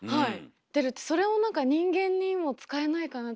出るってそれを何か人間にも使えないかなって。